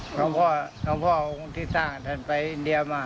หลวงพ่อหลวงพ่อองค์ที่สร้างท่านไปอินเดียมา